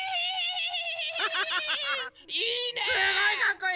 いいね！